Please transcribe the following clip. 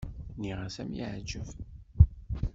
Nniɣ-as ad m-yeɛǧeb.